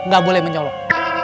gak boleh menyolong